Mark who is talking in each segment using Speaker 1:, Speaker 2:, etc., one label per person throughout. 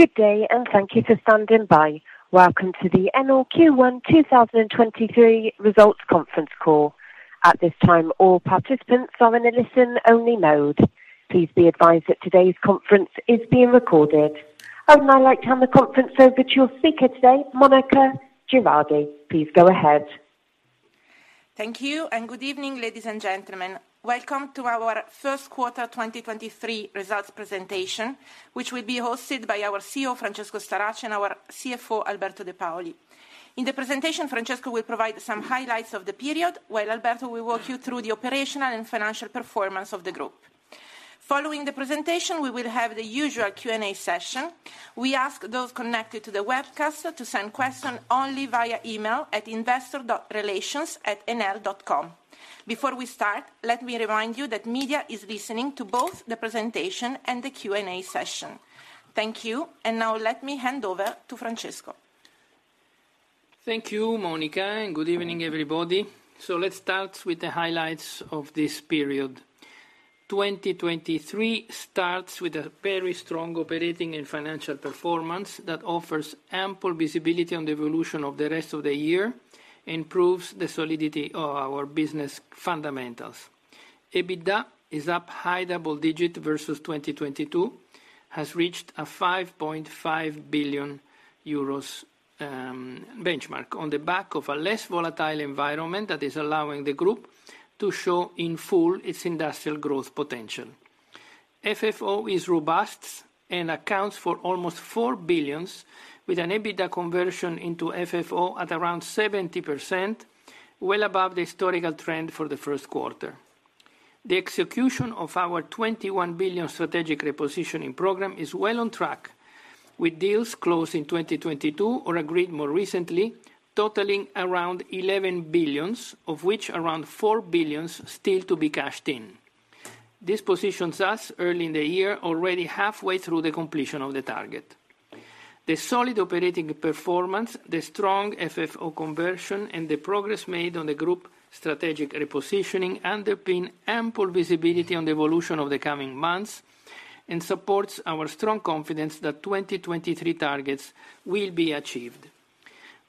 Speaker 1: Good day, and thank you for standing by. Welcome to the Enel Q1 2023 Results Conference Call. At this time, all participants are in a listen-only mode. Please be advised that today's conference is being recorded. I would now like to hand the conference over to your speaker today, Monica Girardi. Please go ahead.
Speaker 2: Thank you. Good evening, ladies and gentlemen. Welcome to our Q1 2023 results presentation, which will be hosted by our CEO, Francesco Starace, and our CFO, Alberto De Paoli. In the presentation, Francesco will provide some highlights of the period, while Alberto will walk you through the operational and financial performance of the group. Following the presentation, we will have the usual Q&A session. We ask those connected to the webcast to send question only via email at investor.relations@enel.com. Before we start, let me remind you that media is listening to both the presentation and the Q&A session. Thank you. Now let me hand over to Francesco.
Speaker 3: Thank you, Monica. Good evening, everybody. Let's start with the highlights of this period. 2023 starts with a very strong operating and financial performance that offers ample visibility on the evolution of the rest of the year and proves the solidity of our business fundamentals. EBITDA is up high double digit versus 2022, has reached 5.5 billion euros benchmark on the back of a less volatile environment that is allowing the group to show in full its industrial growth potential. FFO is robust and accounts for almost 4 billion with an EBITDA conversion into FFO at around 70%, well above the historical trend for the Q1. The execution of our 21 billion strategic repositioning program is well on track, with deals closed in 2022 or agreed more recently, totaling around 11 billion, of which around 4 billion still to be cashed in. This positions us early in the year, already halfway through the completion of the target. The solid operating performance, the strong FFO conversion, and the progress made on the group strategic repositioning underpin ample visibility on the evolution of the coming months and supports our strong confidence that 2023 targets will be achieved.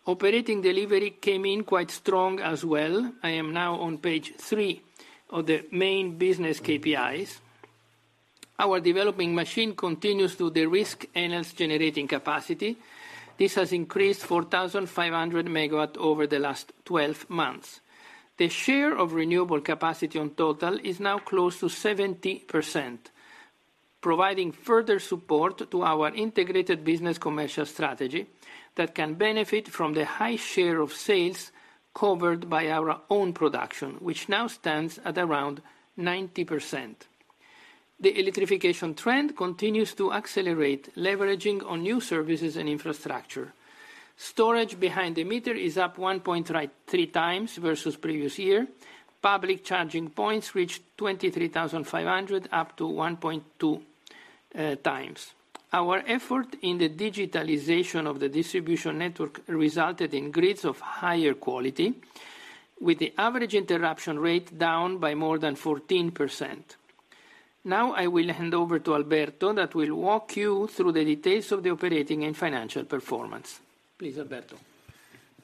Speaker 3: Operating delivery came in quite strong as well. I am now on page three of the main business KPIs. Our developing machine continues to de-risk Enel's generating capacity. This has increased 4,500 MW over the last 12 months. The share of renewable capacity on total is now close to 70%, providing further support to our integrated business commercial strategy that can benefit from the high share of sales covered by our own production, which now stands at around 90%. The electrification trend continues to accelerate, leveraging on new services and infrastructure. Storage behind the meter is up 1.3x versus previous year. Public charging points reached 23,500, up to 1.2x. Our effort in the digitalization of the distribution network resulted in grids of higher quality, with the average interruption rate down by more than 14%. Now I will hand over to Alberto, that will walk you through the details of the operating and financial performance. Please, Alberto.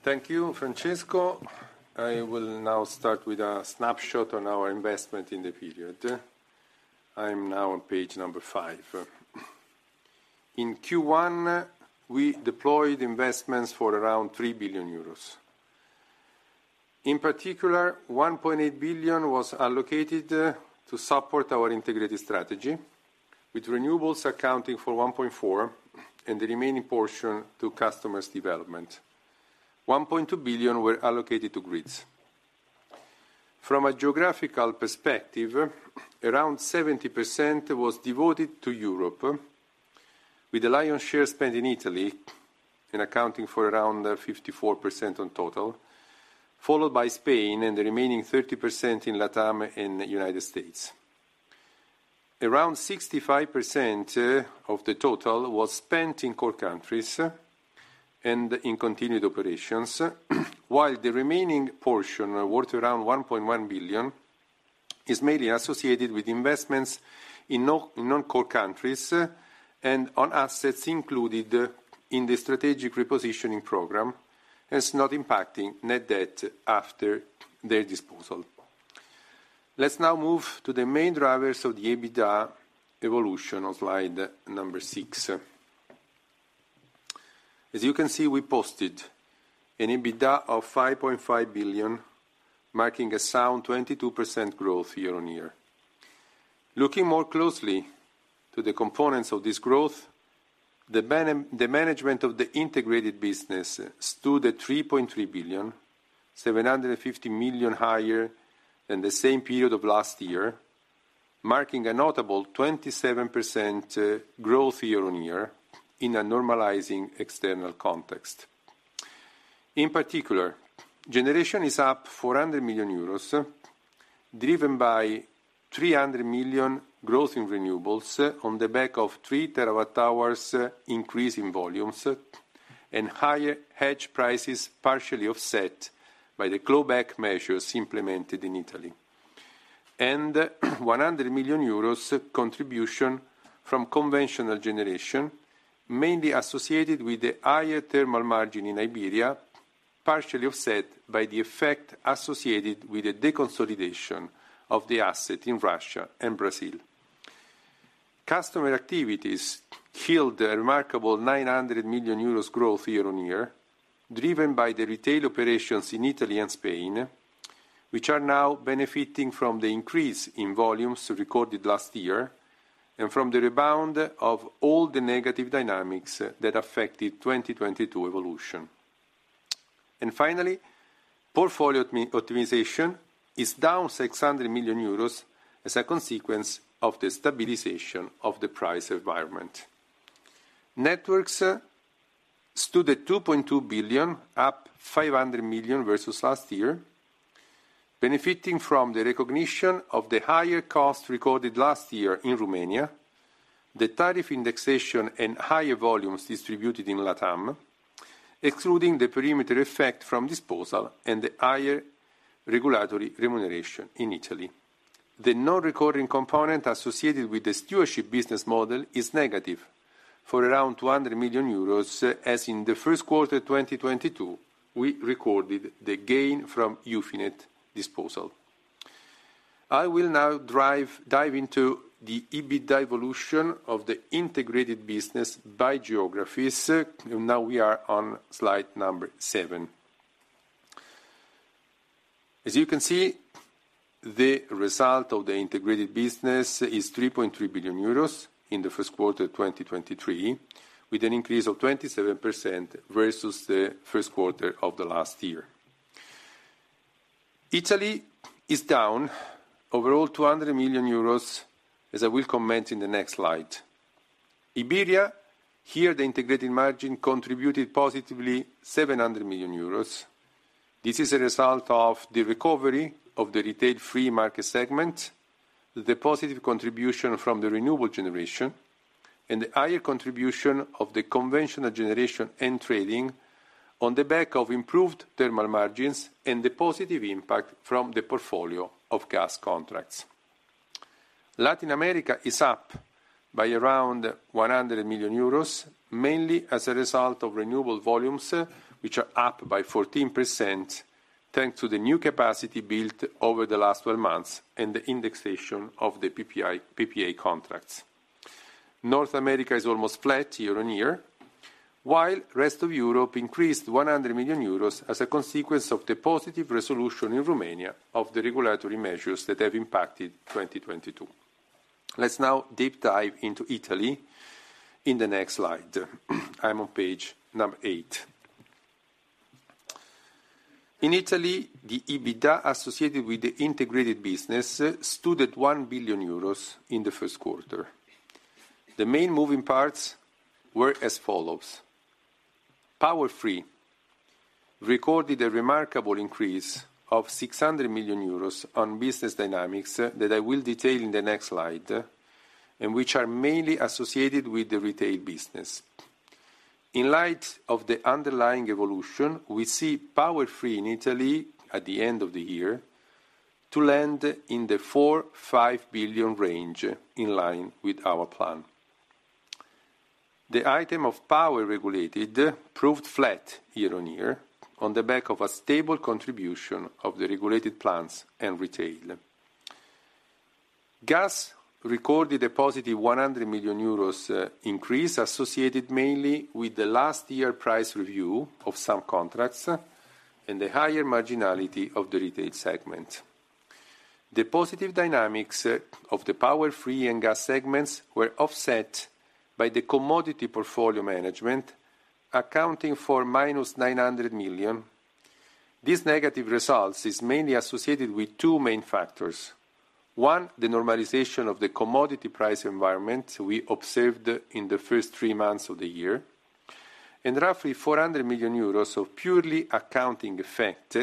Speaker 4: Thank you, Francesco. I will now start with a snapshot on our investment in the period. I am now on page number five. In Q1, we deployed investments for around 3 billion euros. In particular, 1.8 billion was allocated to support our integrated strategy, with renewables accounting for 1.4 billion and the remaining portion to customers' development. 1.2 billion were allocated to grids. From a geographical perspective, around 70% was devoted to Europe, with the lion's share spent in Italy and accounting for around 54% on total, followed by Spain and the remaining 30% in LATAM and United States. Around 65% of the total was spent in core countries and in continued operations, while the remaining portion, worth around 1.1 billion, is mainly associated with investments in non-core countries and on assets included in the strategic repositioning program, it's not impacting net debt after their disposal. Let's now move to the main drivers of the EBITDA evolution on slide number six. As you can see, we posted an EBITDA of 5.5 billion, marking a sound 22% growth year-on-year. Looking more closely to the components of this growth, the management of the integrated business stood at 3.3 billion, 750 million higher than the same period of last year, marking a notable 27% growth year-on-year in a normalizing external context. In particular, generation is up 400 million euros, driven by 300 million growth in renewables on the back of 3 TWh increase in volumes and higher hedge prices, partially offset by the clawback measures implemented in Italy. 100 million euros contribution from conventional generation, mainly associated with the higher thermal margin in Iberia, partially offset by the effect associated with the deconsolidation of the asset in Russia and Brazil. Customer activities killed the remarkable 900 million euros growth year-on-year, driven by the retail operations in Italy and Spain, which are now benefiting from the increase in volumes recorded last year, and from the rebound of all the negative dynamics that affected 2022 evolution. Finally, portfolio opt-optimization is down 600 million euros as a consequence of the stabilization of the price environment. Networks stood at 2.2 billion, up 500 million versus last year, benefiting from the recognition of the higher cost recorded last year in Romania, the tariff indexation, and higher volumes distributed in Latam, excluding the perimeter effect from disposal and the higher regulatory remuneration in Italy. The non-recurring component associated with the stewardship business model is negative for around 200 million euros, as in the Q1 2022, we recorded the gain from Eufinet disposal. I will now dive into the EBITDA evolution of the integrated business by geographies. We are on slide number seven. As you can see, the result of the integrated business is 3.3 billion euros in the Q1 2023, with an increase of 27% versus the Q1 of the last year. Italy is down overall 200 million euros, as I will comment in the next slide. Iberia, here the integrated margin contributed positively 700 million euros. This is a result of the recovery of the retail free market segment, the positive contribution from the renewable generation, and the higher contribution of the conventional generation and trading on the back of improved thermal margins and the positive impact from the portfolio of gas contracts. Latin America is up by around 100 million euros, mainly as a result of renewable volumes, which are up by 14%, thanks to the new capacity built over the last 12 months and the indexation of the PPI- PPA contracts. North America is almost flat year-over-year, while rest of Europe increased 100 million euros as a consequence of the positive resolution in Romania of the regulatory measures that have impacted 2022. Let's now deep dive into Italy in the next slide. I'm on page number eight. In Italy, the EBITDA associated with the integrated business stood at 1 billion euros in the Q1. The main moving parts were as follows: Power-free recorded a remarkable increase of 600 million euros on business dynamics that I will detail in the next slide, and which are mainly associated with the retail business. In light of the underlying evolution, we see Power-free in Italy at the end of the year to land in the 4 billion-5 billion range, in line with our plan. The item of power regulated proved flat year-on-year on the back of a stable contribution of the regulated plans and retail. Gas recorded a positive 100 million euros increase associated mainly with the last year price review of some contracts and the higher marginality of the retail segment. The positive dynamics of the Power-Free and gas segments were offset by the commodity portfolio management, accounting for minus 900 million. These negative results is mainly associated with two main factors. One, the normalization of the commodity price environment we observed in the first three months of the year, and roughly 400 million euros of purely accounting effect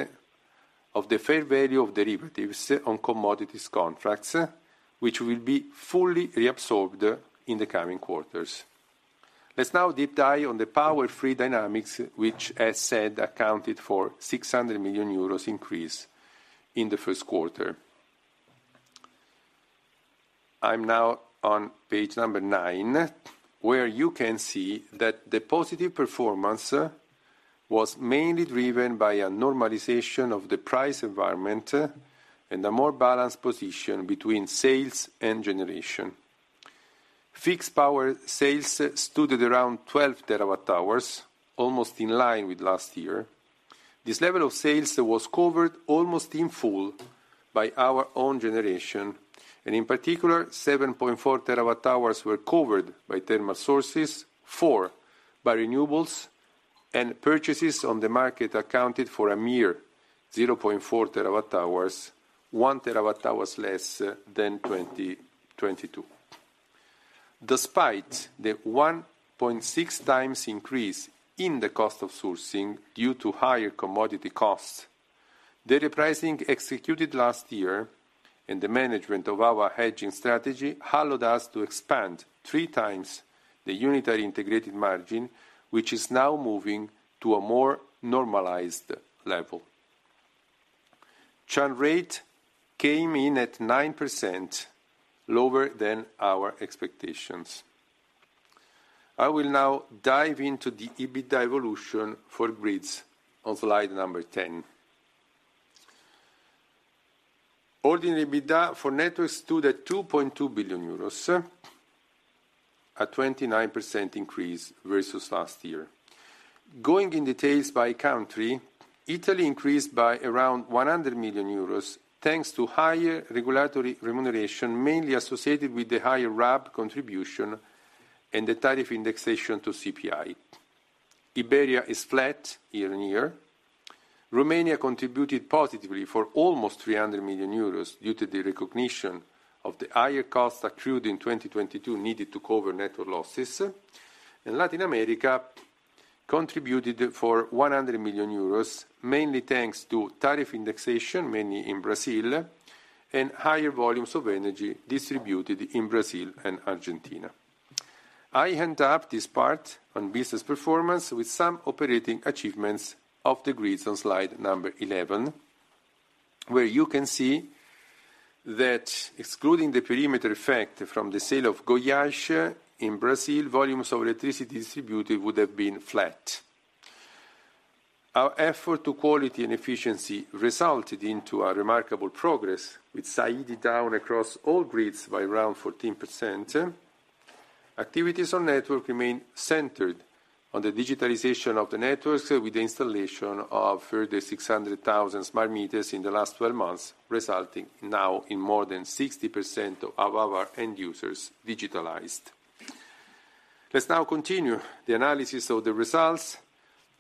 Speaker 4: of the fair value of derivatives on commodities contracts, which will be fully reabsorbed in the coming quarters. Let's now deep dive on the Power-Free dynamics, which, as said, accounted for 600 million euros increase in the Q1. I'm now on page number nine, where you can see that the positive performance was mainly driven by a normalization of the price environment and a more balanced position between sales and generation. Fixed power sales stood at around 12 TWh, almost in line with last year. This level of sales was covered almost in full by our own generation, in particular, 7.4 TWh were covered by thermal sources, four by renewables, and purchases on the market accounted for a mere 0.4 TWh, 1 terawatt-hour less than 2022. Despite the 1.6x increase in the cost of sourcing due to higher commodity costs, the repricing executed last year and the management of our hedging strategy allowed us to expand 3x the unitary integrated margin, which is now moving to a more normalized level. Churn rate came in at 9%, lower than our expectations. I will now dive into the EBITDA evolution for grids on slide number 10. Ordinary EBITDA for networks stood at 2.2 billion euros, a 29% increase versus last year. Going in details by country, Italy increased by around 100 million euros, thanks to higher regulatory remuneration, mainly associated with the higher RAB contribution and the tariff indexation to CPI. Iberia is flat year-on-year. Romania contributed positively for almost 300 million euros due to the recognition of the higher costs accrued in 2022 needed to cover network losses. In Latin America, contributed for 100 million euros, mainly thanks to tariff indexation, mainly in Brazil, and higher volumes of energy distributed in Brazil and Argentina. I end up this part on business performance with some operating achievements of the grids on slide number 11, where you can see that excluding the perimeter effect from the sale of Goiás in Brazil, volumes of electricity distributed would have been flat. Our effort to quality and efficiency resulted into a remarkable progress, with SAIDI down across all grids by around 14%. Activities on network remain centered on the digitalization of the networks with the installation of further 600,000 smart meters in the last 12 months, resulting now in more than 60% of our end users digitalized. Let's now continue the analysis of the results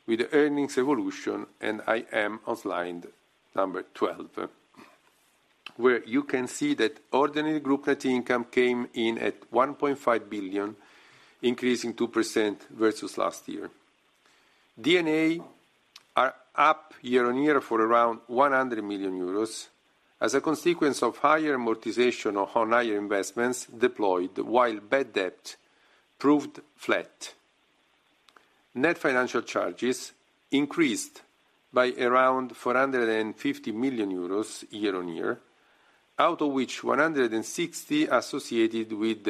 Speaker 4: with the earnings evolution, and I am on slide number 12, where you can see that ordinary group net income came in at 1.5 billion, increasing 2% versus last year. D&A are up year-on-year for around 100 million euros as a consequence of higher amortization on higher investments deployed while bad debt proved flat. Net financial charges increased by around 450 million euros year-on-year, out of which 160 associated with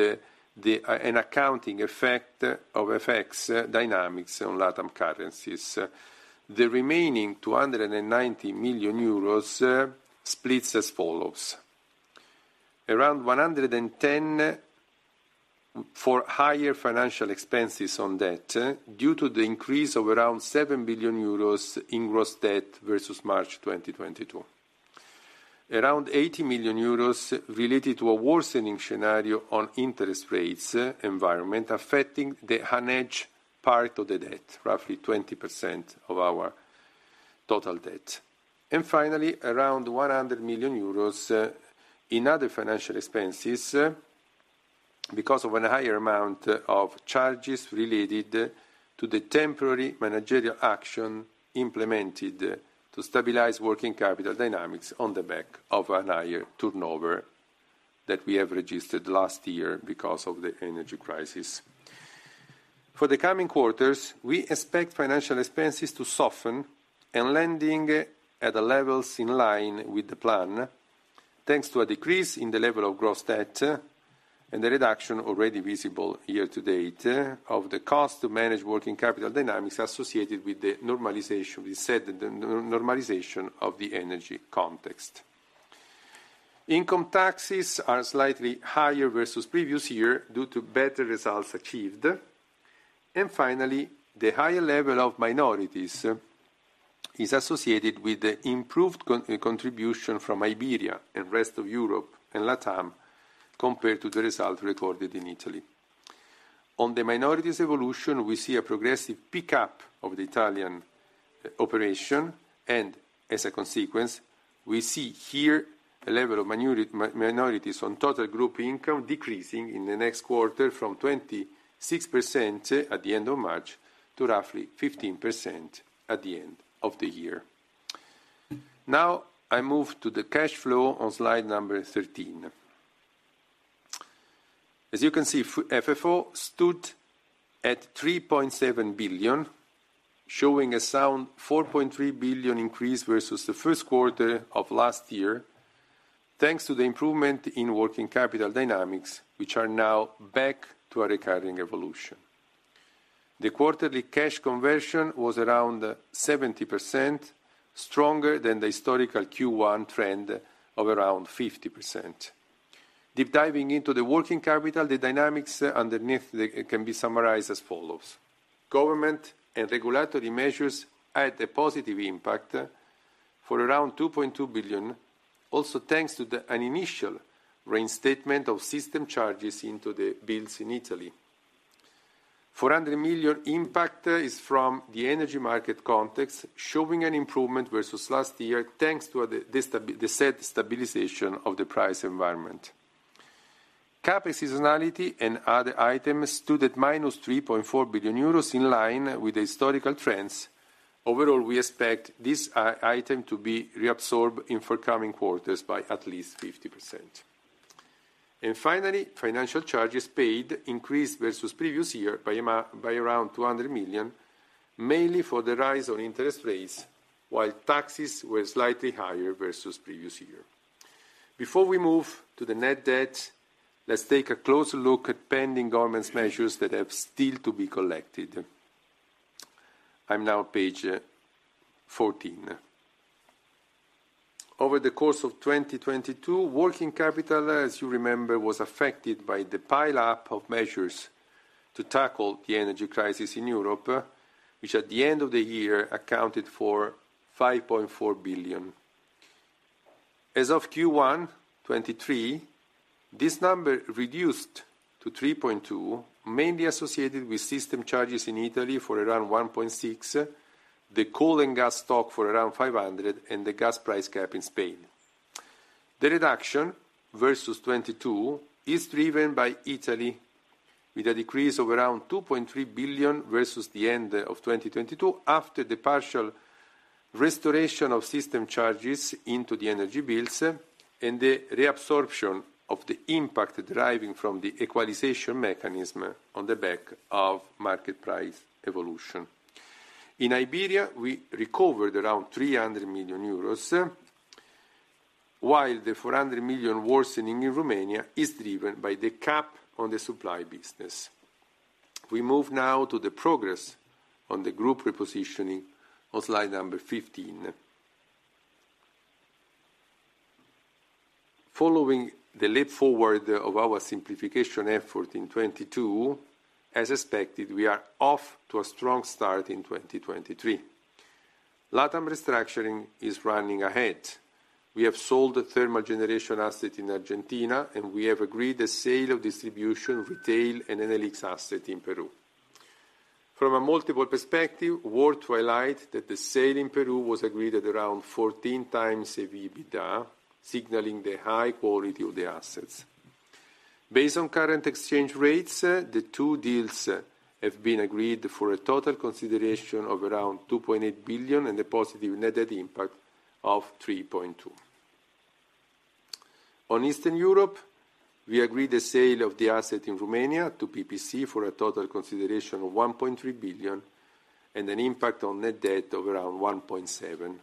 Speaker 4: an accounting effect of FX dynamics on LatAm currencies. The remaining 290 million euros splits as follows: Around 110 for higher financial expenses on debt due to the increase of around 7 billion euros in gross debt versus March 2022. Around 80 million euros related to a worsening scenario on interest rates environment affecting the unhedged part of the debt, roughly 20% of our total debt. Finally, around 100 million euros in other financial expenses because of a higher amount of charges related to the temporary managerial action implemented to stabilize working capital dynamics on the back of a higher turnover that we have registered last year because of the energy crisis. For the coming quarters, we expect financial expenses to soften and landing at the levels in line with the plan, thanks to a decrease in the level of gross debt and the reduction already visible year-to-date of the cost to manage working capital dynamics associated with the normalization, we said the normalization of the energy context. Income taxes are slightly higher versus previous year due to better results achieved. Finally, the higher level of minorities is associated with the improved contribution from Iberia and rest of Europe and LatAm, compared to the result recorded in Italy. On the minorities evolution, we see a progressive pickup of the Italian operation, as a consequence, we see here a level of minorities on total group income decreasing in the next quarter from 26% at the end of March to roughly 15% at the end of the year. I move to the cash flow on slide number 13. As you can see, FFO stood at 3.7 billion, showing a sound 4.3 billion increase versus the Q1 of last year, thanks to the improvement in working capital dynamics, which are now back to a recurring evolution. The quarterly cash conversion was around 70%, stronger than the historical Q1 trend of around 50%. Deep diving into the working capital, the dynamics underneath the can be summarized as follows: Government and regulatory measures had a positive impact for around 2.2 billion, also thanks to an initial reinstatement of system charges into the bills in Italy. 400 million impact is from the energy market context, showing an improvement versus last year, thanks to the said stabilization of the price environment. CapEx seasonality and other items stood at -3.4 billion euros, in line with the historical trends. Overall, we expect this item to be reabsorbed in forthcoming quarters by at least 50%. Finally, financial charges paid increased versus previous year by around 200 million, mainly for the rise on interest rates, while taxes were slightly higher versus previous year. Before we move to the net debt, let's take a closer look at pending government measures that have still to be collected. I'm now page 14. Over the course of 2022, working capital, as you remember, was affected by the pileup of measures to tackle the energy crisis in Europe, which at the end of the year accounted for 5.4 billion. As of Q1 2023, this number reduced to 3.2 billion, mainly associated with system charges in Italy for around 1.6 billion, the coal and gas stock for around 500 million, and the gas price cap in Spain. The reduction versus 2022 is driven by Italy with a decrease of around 2.3 billion versus the end of 2022 after the partial restoration of system charges into the energy bills and the reabsorption of the impact deriving from the equalization mechanism on the back of market price evolution. In Iberia, we recovered around 300 million euros, while the 400 million worsening in Romania is driven by the cap on the supply business. We move now to the progress on the group repositioning on slide number 15. Following the leap forward of our simplification effort in 2022, as expected, we are off to a strong start in 2023. LATAM restructuring is running ahead. We have sold the thermal generation asset in Argentina, and we have agreed the sale of distribution, retail, and Enel X asset in Peru. From a multiple perspective, worth to highlight that the sale in Peru was agreed at around 14 times the EBITDA, signaling the high quality of the assets. Based on current exchange rates, the two deals have been agreed for a total consideration of around 2.8 billion and a positive net debt impact of 3.2 billion. Eastern Europe, we agreed the sale of the asset in Romania to PPC for a total consideration of 1.3 billion and an impact on net debt of around 1.7 billion.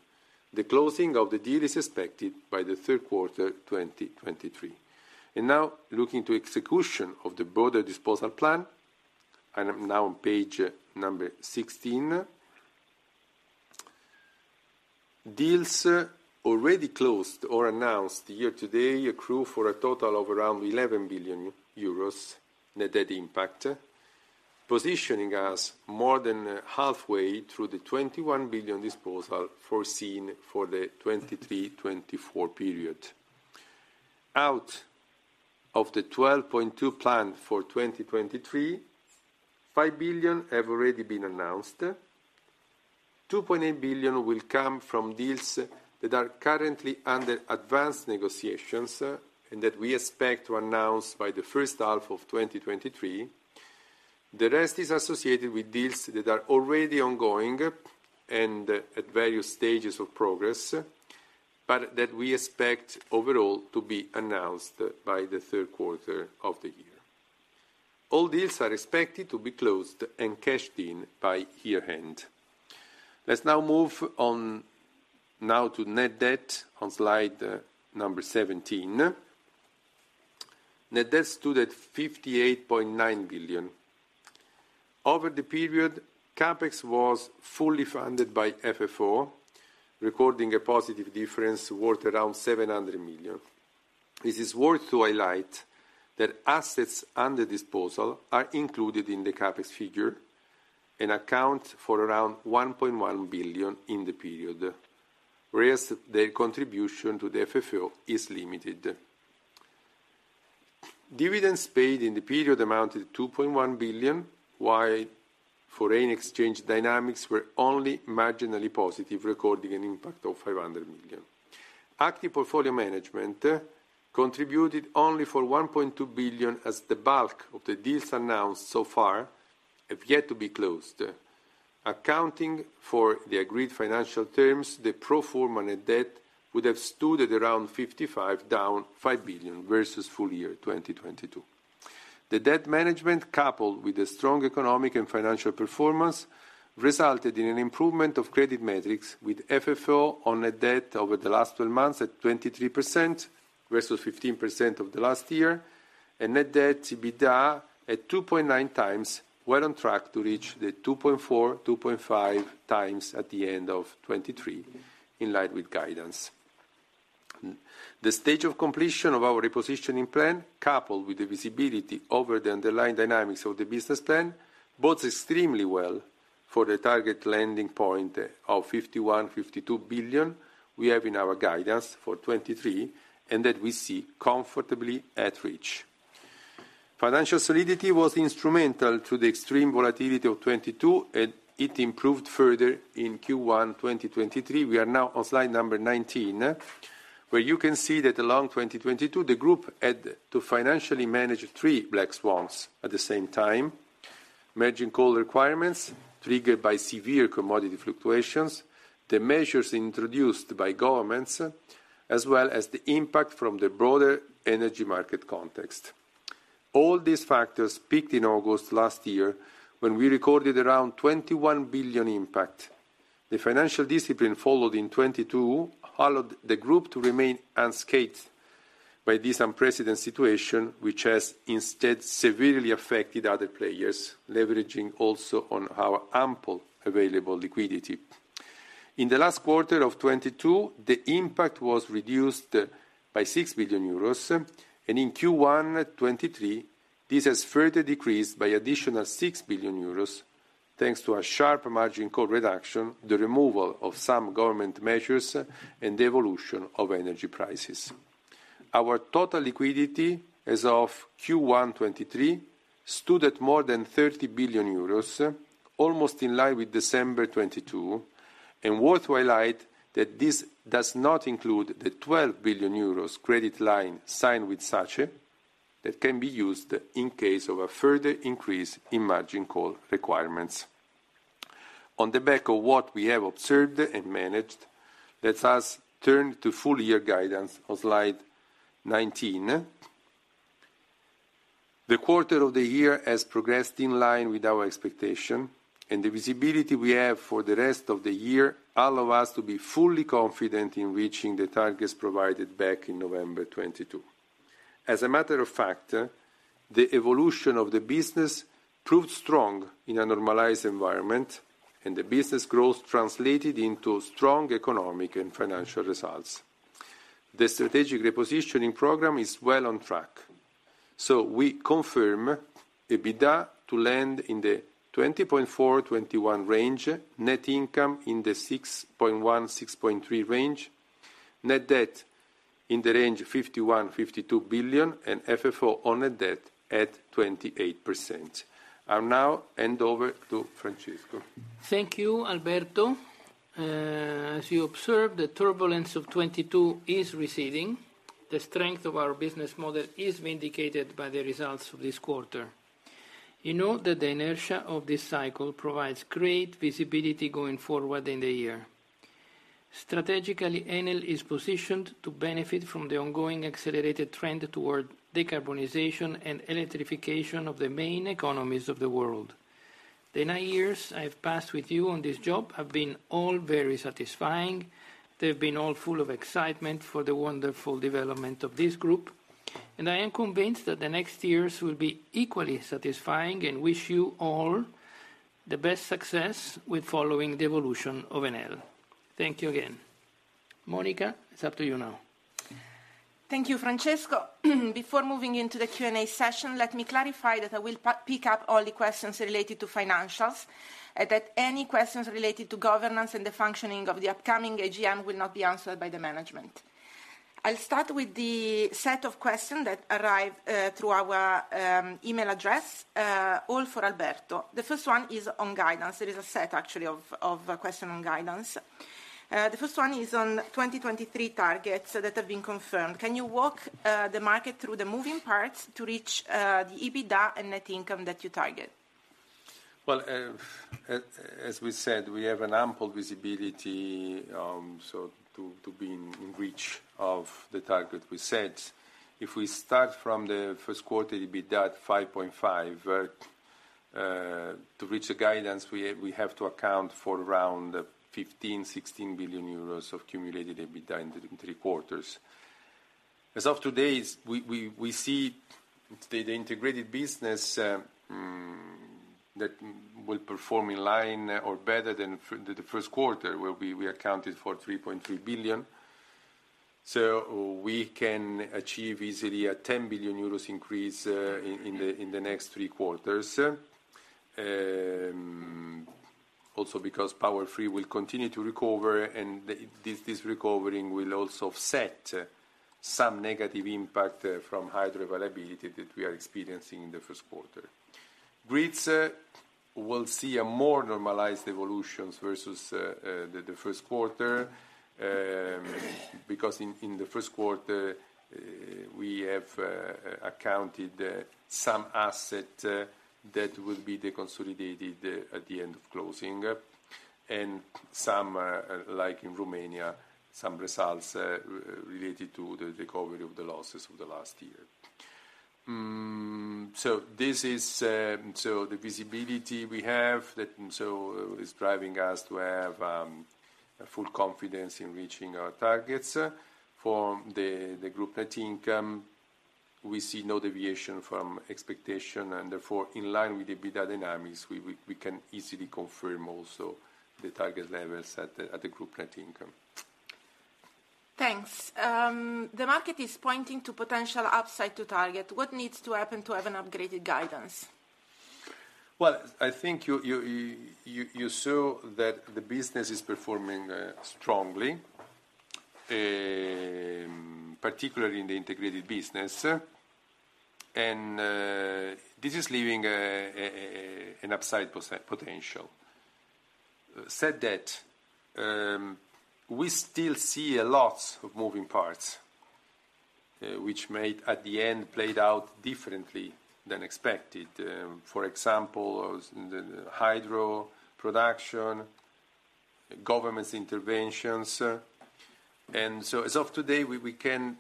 Speaker 4: The closing of the deal is expected by the third quarter 2023. Now looking to execution of the broader disposal plan, I'm now on page number 16. Deals already closed or announced year to date accrue for a total of around 11 billion euros net debt impact, positioning us more than halfway through the 21 billion disposal foreseen for the 2023-2024 period. Out of the 12.2 billion planned for 2023, 5 billion have already been announced. 2.8 billion will come from deals that are currently under advanced negotiations that we expect to announce by the first half of 2023. The rest is associated with deals that are already ongoing and at various stages of progress, that we expect overall to be announced by the third quarter of the year. All deals are expected to be closed and cashed in by year-end. Let's now move on to net debt on slide number 17. Net debt stood at 58.9 billion. Over the period, CapEx was fully funded by FFO, recording a positive difference worth around 700 million. It is worth to highlight that assets under disposal are included in the CapEx figure and account for around 1.1 billion in the period, whereas their contribution to the FFO is limited. Dividends paid in the period amounted to 2.1 billion, while foreign exchange dynamics were only marginally positive, recording an impact of 500 million. Active portfolio management contributed only for 1.2 billion as the bulk of the deals announced so far have yet to be closed. Accounting for the agreed financial terms, the pro forma net debt would have stood at around 55, down 5 billion, versus full year 2022. The debt management, coupled with the strong economic and financial performance, resulted in an improvement of credit metrics, with FFO on net debt over the last 12 months at 23% versus 15% of the last year, and net debt to EBITDA at 2.9x well on track to reach the 2.4x-2.5x at the end of 2023, in line with guidance. The stage of completion of our repositioning plan, coupled with the visibility over the underlying dynamics of the business plan, bodes extremely well for the target landing point of 51-52 billion we have in our guidance for 2023 and that we see comfortably at reach. Financial solidity was instrumental to the extreme volatility of 2022. It improved further in Q1 2023. We are now on slide number 19, where you can see that along 2022, the group had to financially manage three black swans at the same time. Margin call requirements triggered by severe commodity fluctuations, the measures introduced by governments, as well as the impact from the broader energy market context. All these factors peaked in August last year when we recorded around 21 billion impact. The financial discipline followed in 2022, allowed the group to remain unscathed by this unprecedented situation, which has instead severely affected other players, leveraging also on our ample available liquidity. In the last quarter of 2022, the impact was reduced by 6 billion euros. In Q1 20233, this has further decreased by additional 6 billion euros, thanks to a sharp margin call reduction, the removal of some government measures, and the evolution of energy prices. Our total liquidity as of Q1 2023, stood at more than 30 billion euros, almost in line with December 2022. Worth to highlight, that this does not include the 12 billion euros credit line signed with SACE, that can be used in case of a further increase in margin call requirements. On the back of what we have observed and managed, let us turn to full year guidance on slide 19. The quarter of the year has progressed in line with our expectation, and the visibility we have for the rest of the year allow us to be fully confident in reaching the targets provided back in November 2022.\ As a matter of fact, the evolution of the business proved strong in a normalized environment, and the business growth translated into strong economic and financial results. The strategic repositioning program is well on track, so we confirm EBITDA to land in the 20.4 billion-21 billion range, net income in the 6.1 billion-6.3 billion range, net debt in the range of 51 billion-52 billion, and FFO on net debt at 28%. I'll now hand over to Francesco.
Speaker 3: Thank you, Alberto. As you observed, the turbulence of 2022 is receding. The strength of our business model is vindicated by the results of this quarter. You know that the inertia of this cycle provides great visibility going forward in the year. Strategically, Enel is positioned to benefit from the ongoing accelerated trend toward decarbonization and electrification of the main economies of the world. The nine years I have passed with you on this job have been all very satisfying. They've been all full of excitement for the wonderful development of this group, and I am convinced that the next years will be equally satisfying, and wish you all the best success with following the evolution of Enel. Thank you again. Monica, it's up to you now.
Speaker 2: Thank you, Francesco. Before moving into the Q&A session, let me clarify that I will pick up all the questions related to financials, that any questions related to governance and the functioning of the upcoming AGM will not be answered by the management. I'll start with the set of question that arrive through our email address, all for Alberto. The first one is on guidance. It is a set, actually, of question on guidance. The first one is on 2023 targets that have been confirmed. Can you walk the market through the moving parts to reach the EBITDA and net income that you target?
Speaker 4: Well, as we said, we have an ample visibility, so to be in reach of the target we set. If we start from the Q1 EBITDA at 5.5 to reach the guidance we have to account for around 15 billion-16 billion euros of cumulative EBITDA in the three quarters. As of today, we see the integrated business that will perform in line or better than the Q1, where we accounted for 3.3 billion. We can achieve easily a 10 billion euros increase in the next three quarters. Also because Power Free will continue to recover, and this recovering will also offset some negative impact from hydro availability that we are experiencing in the Q1. grids, will see a more normalized evolutions versus the Q1, because in the Q1, we have accounted some asset, that will be the consolidated, at the end of closing. Some, like in Romania, some results, related to the recovery of the losses of the last year. The visibility we have that is driving us to have a full confidence in reaching our targets. For the group net income, we see no deviation from expectation, and therefore in line with EBITDA dynamics, we can easily confirm also the target levels at the group net income.
Speaker 2: Thanks. The market is pointing to potential upside to target. What needs to happen to have an upgraded guidance?
Speaker 4: Well, I think you saw that the business is performing strongly, particularly in the integrated business. This is leaving an upside potential. Said that, we still see a lot of moving parts which made at the end played out differently than expected. For example, the hydro production, government's interventions. As of today, we can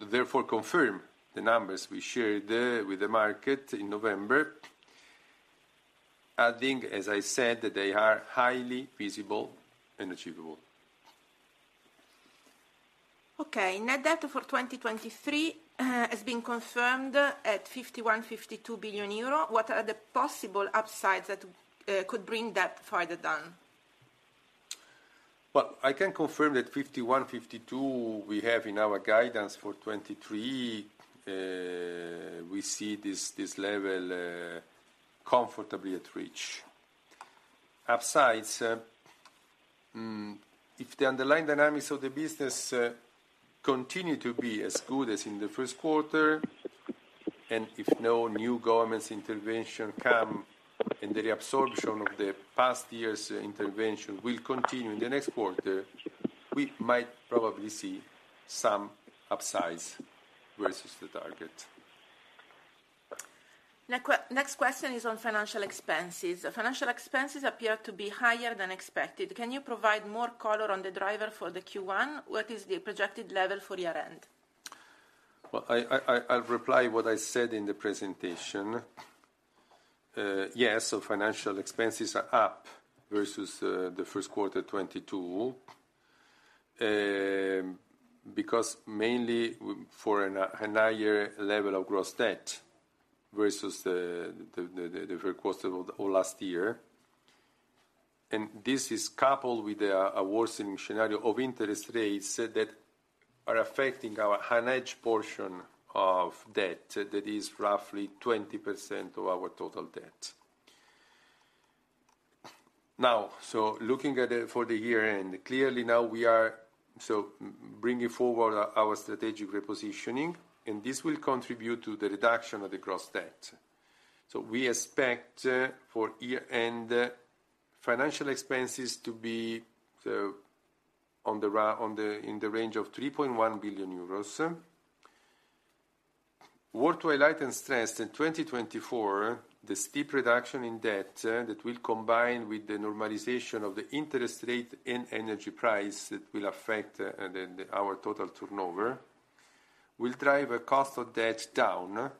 Speaker 4: therefore confirm the numbers we shared with the market in November. Adding, as I said, that they are highly visible and achievable.
Speaker 2: Okay. Net debt for 2023 has been confirmed at 51 billion-52 billion euro. What are the possible upsides that could bring that further down?
Speaker 4: Well, I can confirm that 51 billion-52 billion we have in our guidance for 2023. We see this level, comfortably at reach. Upsides, if the underlying dynamics of the business continue to be as good as in the Q1, if no new government intervention come, and the reabsorption of the past years intervention will continue in the next quarter, we might probably see some upsides versus the target.
Speaker 2: Next question is on financial expenses. Financial expenses appear to be higher than expected. Can you provide more color on the driver for the Q1? What is the projected level for year-end?
Speaker 4: I'll reply what I said in the presentation. Yes, financial expenses are up versus the Q1 2022. Because mainly for an, a higher level of gross debt versus the Q1 of last year. This is coupled with a worsening scenario of interest rates that are affecting our unhedged portion of debt that is roughly 20% of our total debt. Looking at it for the year-end, clearly now we are so bringing forward our strategic repositioning, and this will contribute to the reduction of the gross debt. We expect for year-end financial expenses to be on the in the range of 3.1 billion euros. Worth to highlight and stress in 2024, the steep reduction in debt, that will combine with the normalization of the interest rate and energy price that will affect, then our total turnover, will drive a cost of debt down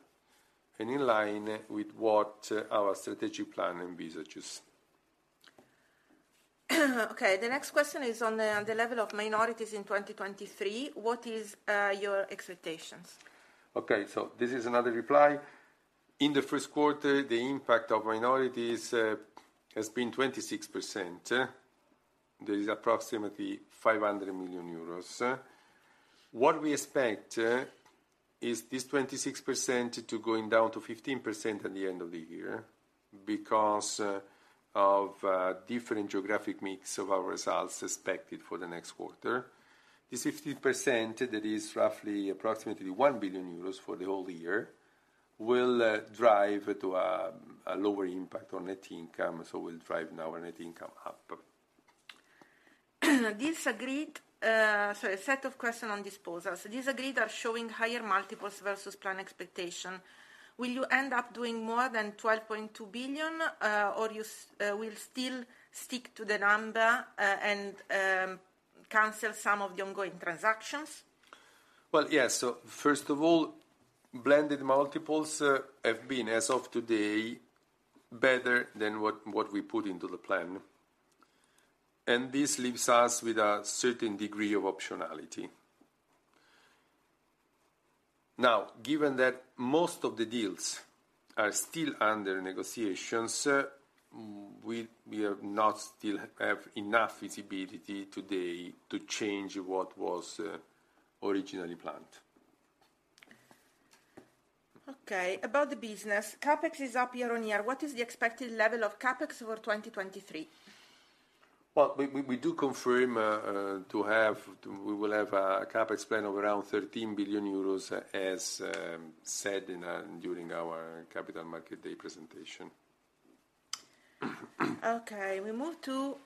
Speaker 4: and in line with what our strategic plan envisages.
Speaker 2: Okay, the next question is on the level of minorities in 2023. What is your expectations?
Speaker 4: This is another reply. In the Q1, the impact of minorities has been 26%. That is approximately 500 million euros. We expect this 26% to going down to 15% at the end of the year because of different geographic mix of our results expected for the next quarter. This 15%, that is roughly approximately 1 billion euros for the whole year, will drive to a lower impact on net income, so will drive now our net income up.
Speaker 2: Disagreed. Sorry, set of question on disposals. Disposals are showing higher multiples versus plan expectation. Will you end up doing more than 12.2 billion, or you will still stick to the number, and cancel some of the ongoing transactions?
Speaker 4: Well, yes. First of all, blended multiples have been, as of today, better than what we put into the plan. This leaves us with a certain degree of optionality. Now, given that most of the deals are still under negotiations, we have not still have enough visibility today to change what was originally planned.
Speaker 2: Okay. About the business, CapEx is up year-on-year. What is the expected level of CapEx for 2023?
Speaker 4: Well, we do confirm we will have a CapEx plan of around 13 billion euros, as said in during our capital market day presentation.
Speaker 2: Okay, we move to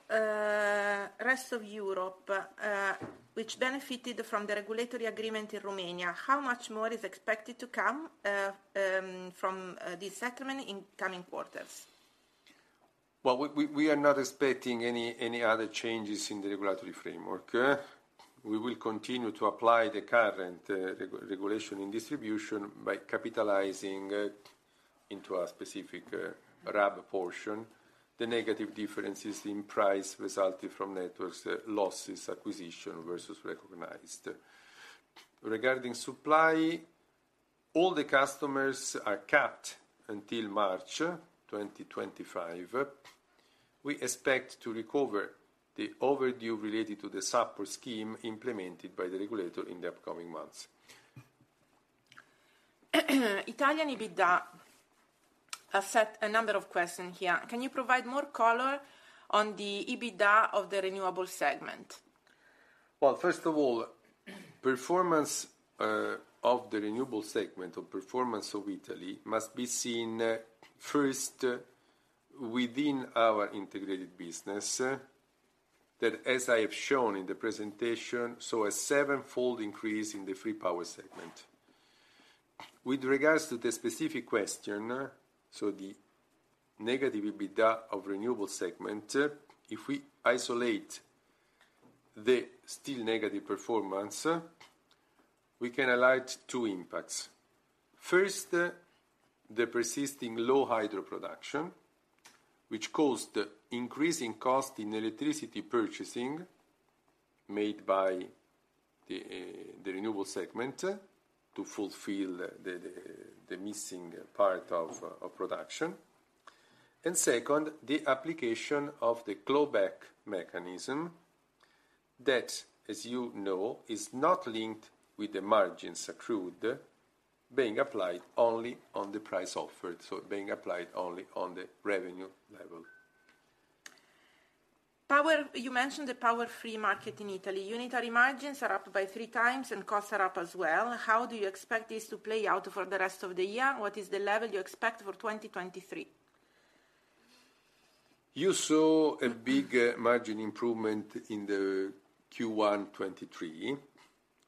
Speaker 2: rest of Europe, which benefited from the regulatory agreement in Romania. How much more is expected to come from this settlement in coming quarters?
Speaker 4: Well, we are not expecting any other changes in the regulatory framework. We will continue to apply the current regulation in distribution by capitalizing into a specific RAB portion. The negative differences in price resulted from networks losses acquisition versus recognized. Regarding supply, all the customers are capped until March 2025. We expect to recover the overdue related to the support scheme implemented by the regulator in the upcoming months.
Speaker 2: Italian EBITDA have set a number of question here. Can you provide more color on the EBITDA of the renewable segment?
Speaker 4: Well, first of all, performance of the renewable segment or performance of Italy must be seen first within our integrated business, that, as I have shown in the presentation, saw a sevenfold increase in the Free Power segment. With regards to the specific question, so the negative EBITDA of renewable segment, if we isolate the still negative performance, we can highlight two impacts. First, the persisting low hydro production, which caused increasing cost in electricity purchasing made by the renewable segment to fulfill the missing part of production. Second, the application of the claw back mechanism that, as you know, is not linked with the margins accrued, being applied only on the price offered, so being applied only on the revenue level.
Speaker 2: Power. You mentioned the power free market in Italy. Unitary margins are up by 3x, and costs are up as well. How do you expect this to play out for the rest of the year, and what is the level you expect for 2023?
Speaker 4: You saw a big margin improvement in the Q1 2023.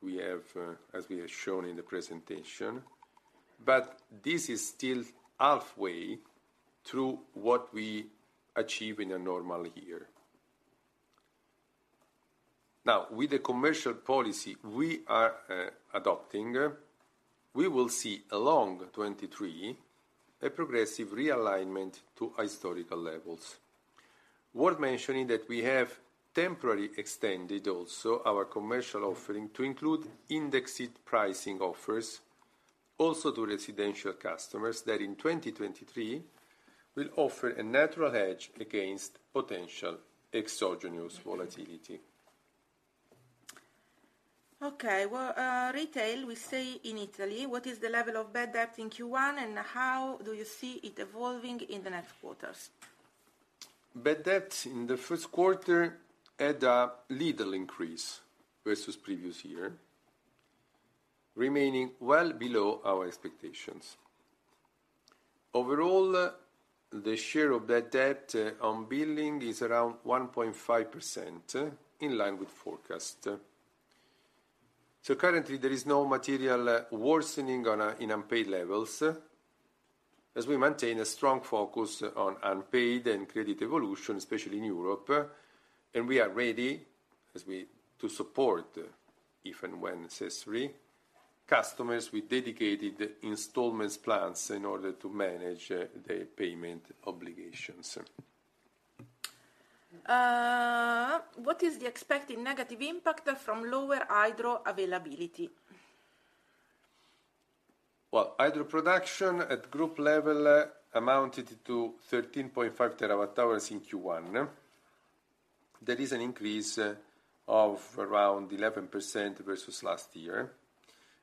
Speaker 4: We have, as we have shown in the presentation. This is still halfway to what we achieve in a normal year. Now, with the commercial policy we are adopting, we will see along 2023, a progressive realignment to historical levels. Worth mentioning that we have temporarily extended also our commercial offering to include indexed pricing offers also to residential customers that in 2023 will offer a natural hedge against potential exogenous volatility.
Speaker 2: Okay. Well, retail, we stay in Italy. What is the level of bad debt in Q1, and how do you see it evolving in the next quarters?
Speaker 4: Bad debts in the Q1 had a little increase versus previous year, remaining well below our expectations. Overall, the share of that debt on billing is around 1.5%, in line with forecast. Currently, there is no material worsening on in unpaid levels, as we maintain a strong focus on unpaid and credit evolution, especially in Europe, and we are ready to support, if and when necessary, customers with dedicated installments plans in order to manage the payment obligations.
Speaker 2: What is the expected negative impact from lower hydro availability?
Speaker 4: Well, hydro production at Group level amounted to 13.5 TWh in Q1. That is an increase of around 11% versus last year,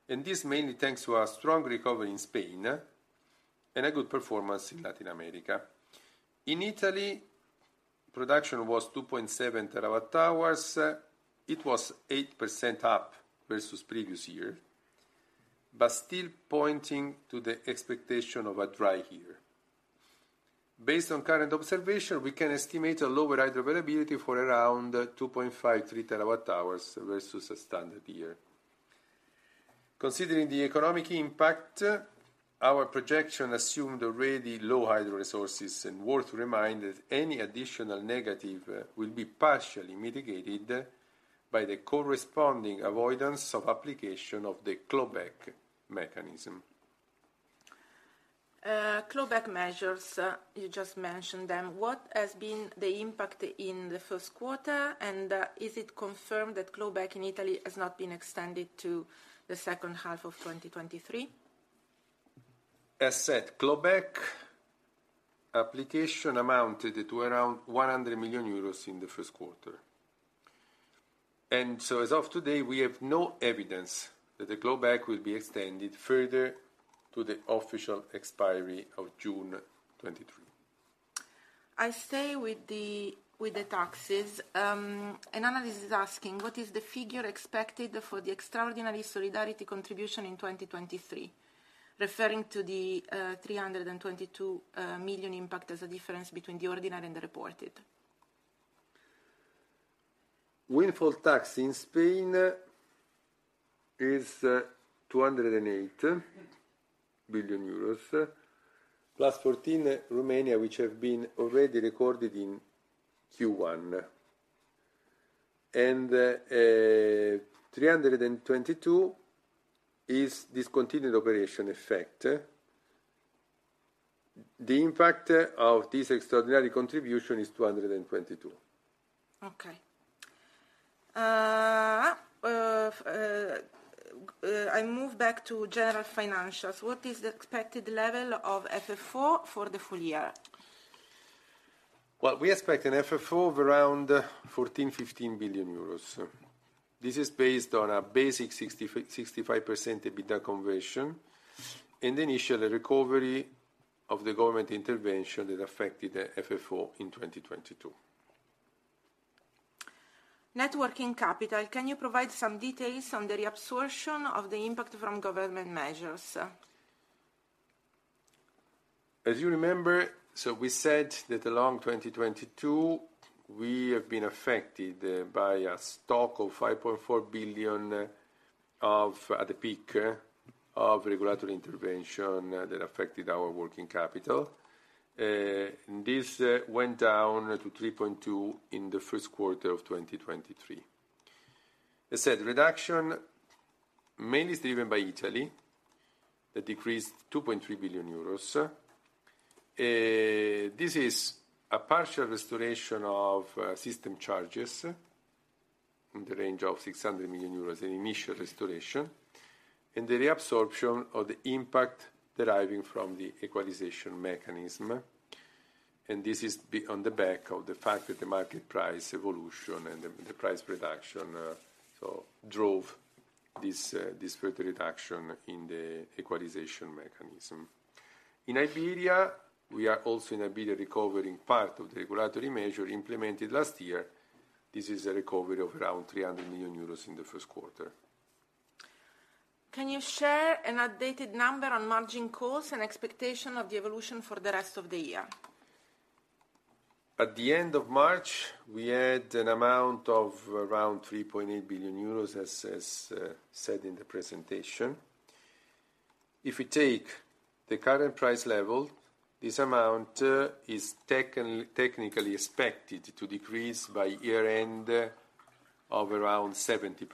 Speaker 4: this mainly thanks to a strong recovery in Spain and a good performance in Latin America. In Italy, production was 2.7 TWh. It was 8% up versus previous year, still pointing to the expectation of a dry year. Based on current observation, we can estimate a lower hydro availability for around 2.5-3 TWh versus a standard year. Considering the economic impact, our projection assumed already low hydro resources. Worth reminded, any additional negative will be partially mitigated by the corresponding avoidance of application of the clawback mechanism.
Speaker 2: Clawback measures, you just mentioned them. What has been the impact in the Q1? Is it confirmed that clawback in Italy has not been extended to the second half of 2023?
Speaker 4: As said, clawback application amounted to around 100 million euros in the Q1. As of today, we have no evidence that the clawback will be extended further to the official expiry of June 2023.
Speaker 2: I stay with the taxes. An analyst is asking, what is the figure expected for the extraordinary solidarity contribution in 2023, referring to the 322 million impact as a difference between the ordinary and the reported.
Speaker 4: Windfall tax in Spain is 208 billion euros, plus 14 Romania, which have been already recorded in Q1. 322 is discontinued operation effect. The impact of this extraordinary contribution is 222.
Speaker 2: I move back to general financials. What is the expected level of FFO for the full year?
Speaker 4: we expect an FFO of around 14 billion- 15 billion euros. This is based on a basic 65% EBITDA conversion, and initially recovery of the government intervention that affected FFO in 2022.
Speaker 2: Net working capital, can you provide some details on the reabsorption of the impact from government measures?
Speaker 4: As you remember, we said that along 2022 we have been affected by a stock of 5.4 billion of, at the peak, of regulatory intervention that affected our working capital. This went down to 3.2 billion in the Q1 of 2023. As said, reduction mainly is driven by Italy, that decreased 2.3 billion euros. This is a partial restoration of system charges in the range of 600 million euros, an initial restoration, and the reabsorption of the impact deriving from the equalization mechanism. This is on the back of the fact that the market price evolution and the price reduction, so drove this further reduction in the equalization mechanism. In Iberia, we are also in Iberia recovering part of the regulatory measure implemented last year. This is a recovery of around 300 million euros in the Q1.
Speaker 2: Can you share an updated number on margin costs and expectation of the evolution for the rest of the year?
Speaker 4: At the end of March, we had an amount of around 3.8 billion euros, as said in the presentation. If we take the current price level, this amount is technically expected to decrease by year-end of around 70%.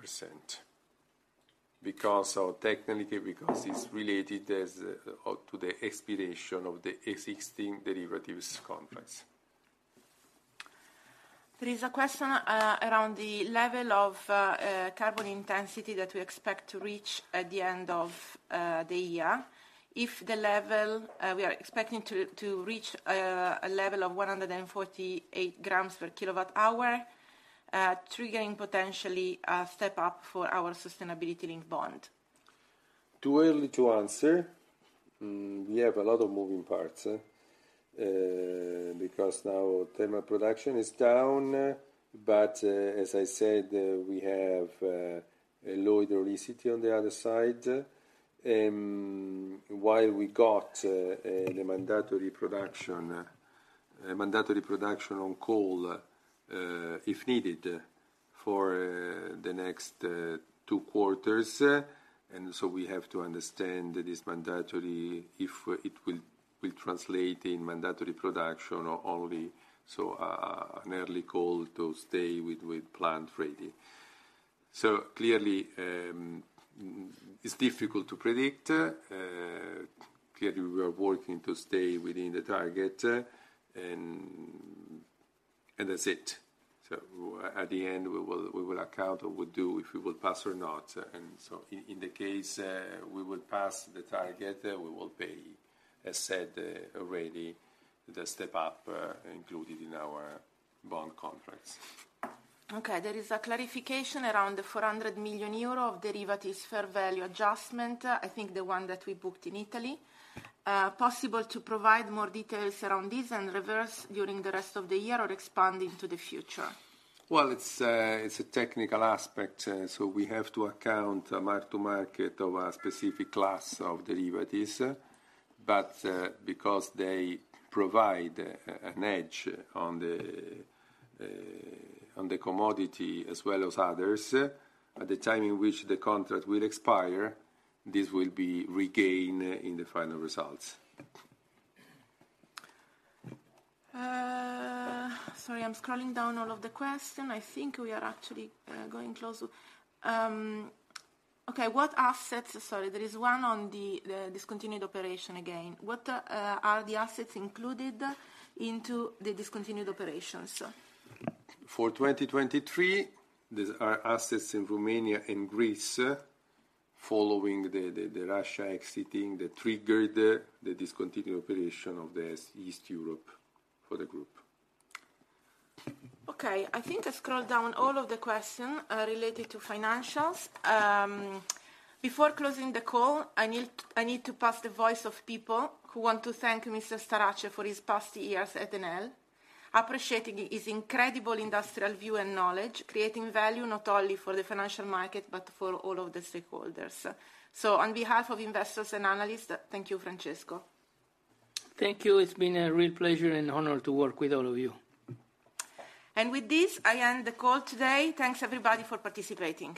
Speaker 4: Because of technically, because it's related as to the expiration of the existing derivatives contracts.
Speaker 2: There is a question around the level of carbon intensity that we expect to reach at the end of the year. If the level we are expecting to reach a level of 148 grams per kilowatt hour, triggering potentially a step up for our sustainability-linked bond.
Speaker 4: Too early to answer. We have a lot of moving parts because now thermal production is down. As I said, we have a low hydroelectricity on the other side. While we got the mandatory production on coal, if needed for the next two quarters. We have to understand that it's mandatory if it will translate in mandatory production or only an early call to stay with plant ready. Clearly, it's difficult to predict. Clearly, we are working to stay within the target, and that's it. At the end we will account, or we'll do if we will pass or not. In the case, we will pass the target, we will pay, as said already, the step up, included in our bond contracts.
Speaker 2: There is a clarification around the 400 million euro of derivatives fair value adjustment. I think the one that we booked in Italy. Possible to provide more details around this and reverse during the rest of the year or expand into the future?
Speaker 4: It's a technical aspect, so we have to account mark to market of a specific class of derivatives. Because they provide an edge on the commodity as well as others, at the time in which the contract will expire, this will be regained in the final results.
Speaker 2: Sorry, I'm scrolling down all of the question. I think we are actually going close. Okay, sorry, there is one on the discontinued operation again. What are the assets included into the discontinued operations?
Speaker 4: For 2023, these are assets in Romania and Greece following the Russia exiting that triggered the discontinued operation of the East Europe for the group.
Speaker 2: Okay, I think I scrolled down all of the question related to financials. Before closing the call, I need to pass the voice of people who want to thank Mr. Starace for his past years at Enel, appreciating his incredible industrial view and knowledge, creating value not only for the financial market, but for all of the stakeholders. On behalf of investors and analysts, thank you, Francesco.
Speaker 3: Thank you. It's been a real pleasure and honor to work with all of you.
Speaker 2: With this, I end the call today. Thanks everybody for participating.